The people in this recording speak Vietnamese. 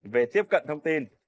về tiếp cận thông tin